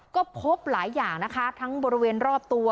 ก็พบหลายอย่างนะคะทั้งบริเวณรอบตัว